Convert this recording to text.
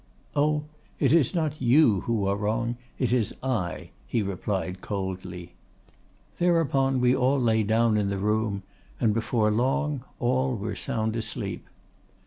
"'Oh! it is not you who are wrong, it is I!' he replied coldly. "Thereupon we all lay down in the room, and before long all were sound asleep.